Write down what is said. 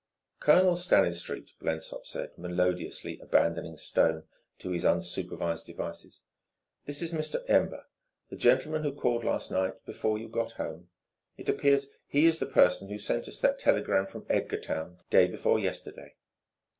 "Colonel Stanistreet," Blensop said melodiously, abandoning Stone to his unsupervised devices, "this is Mr. Ember, the gentleman who called last night before you got home. It appears he is the person who sent us that telegram from Edgartown day before yesterday."